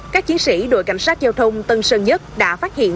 các chiến sĩ đội cảnh sát giao thông tân sơn nhất đã phát hiện